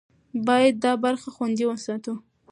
باید دا برخه خوندي وساتو.